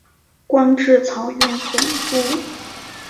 官至漕运总督。